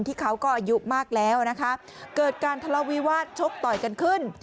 เขาก็อายุมากแล้วนะคะเกิดการทะเลาวิวาสชกต่อยกันขึ้น